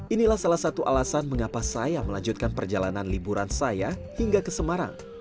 inilah salah satu alasan mengapa saya melanjutkan perjalanan liburan saya hingga ke semarang